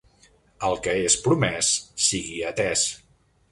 El que és promès sigui atès.